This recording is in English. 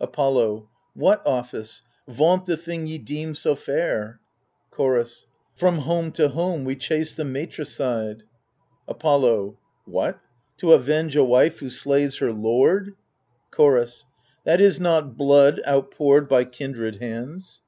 Apollo What office ? vaunt the thing ye deem so fair. Chorus From home to home we chase the matricide. Apollo What ? to avenge a wife who slays her lord ? Chorus That is not bloT)d outpoured by kindred hands.